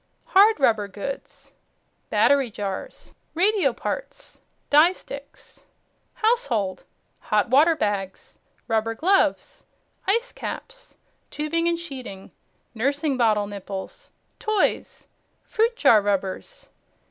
HARD RUBBER GOODS Battery Jars. Radio Parts. Dye Sticks. HOUSEHOLD Hot water Bags. Rubber Gloves. Ice Caps. Tubing and Sheeting. Nursing Bottle Nipples. Toys. Fruit Jar Rubbers.